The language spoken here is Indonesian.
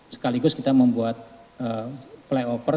sekaligus kita membuat play over